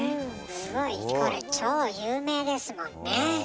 すごいこれ超有名ですもんね。